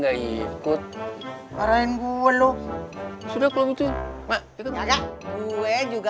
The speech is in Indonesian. dapet blankin gue masa rp empat puluh jauh